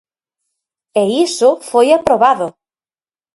E iso foi aprobado.